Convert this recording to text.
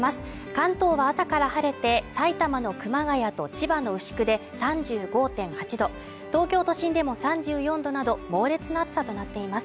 関東は朝から晴れて、埼玉の熊谷と千葉の牛久で３５．８度東京都心でも３４度など、猛烈な暑さとなっています。